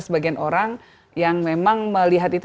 sebagian orang yang memang melihat itu